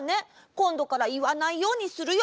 こんどからいわないようにするよ。